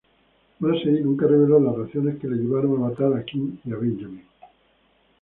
Massey nunca reveló las razones que le llevaron a matar a King y Benjamin.